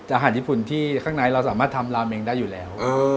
อาหารญี่ปุ่นที่ข้างในเราสามารถทำราเมงได้อยู่แล้ว